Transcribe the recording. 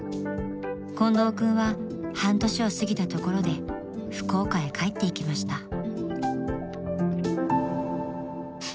［近藤君は半年を過ぎたところで福岡へ帰っていきました］